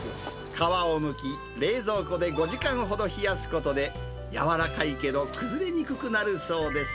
皮をむき、冷蔵庫で５時間ほど冷やすことで、柔らかいけど崩れにくくなるそうです。